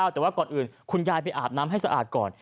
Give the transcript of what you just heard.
แต่ว่าก่อนอื่นคุณยายไปอาบน้ำให้สะอาดก่อน